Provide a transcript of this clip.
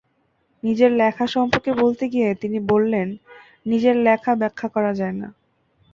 নিজের লেখা সম্পর্কে বলতে গিয়ে তিনি বললেন, নিজের লেখা ব্যাখ্যা করা যায় না।